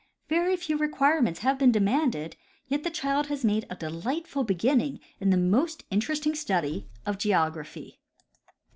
Very few requirements have been de manded, yet the child has made a delightful beginning in the most interesting study of geography.